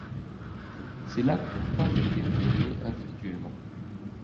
Ces lacs n'ont pas été nommés individuellement.